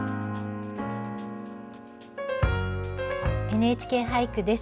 「ＮＨＫ俳句」です。